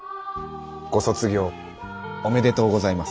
ご卒業おめでとうございます。